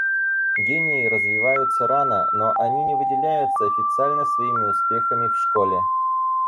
Гении развиваются рано, но они не выделяются официально своими успехами в школе.